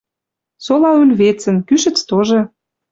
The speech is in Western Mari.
Сола ӱл вецӹн, кӱшӹц тоже